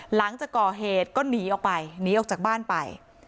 หลังจากก่อเหตุก็หนีออกจากบ้านไป